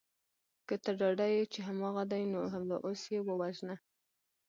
که ته ډاډه یې چې هماغه دی نو همدا اوس یې ووژنه